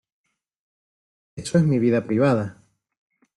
eso es mi vida privada.